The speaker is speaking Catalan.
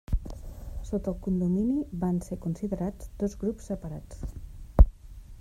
Sota el condomini van ser considerats dos grups separats.